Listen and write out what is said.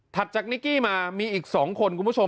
จากนิกกี้มามีอีก๒คนคุณผู้ชม